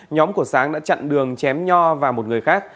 nhóm của sáng đã chặn đường chém nho vào một người khác